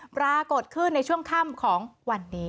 ปรากฏขึ้นในช่วงค่ำของวันนี้